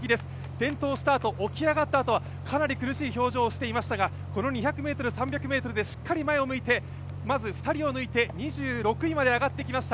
転倒したあと、起き上がったあとはかなり苦しい表情をしていましたがこの２００ｍ、３００ｍでしっかり前を向いてまず２人を抜いて２６位まで上がってきました。